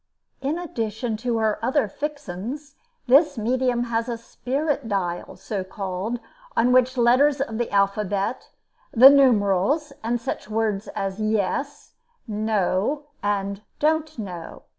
In addition to her other "fixins," this medium has a spirit dial, so called, on which are letters of the alphabet, the numerals, and such words as "Yes," "No," and "Don't know."